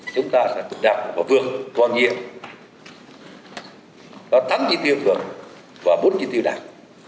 chúng ta sẽ đạt và vượt toàn nhiệm có năm chỉ tiêu vượt và bốn chỉ tiêu đạt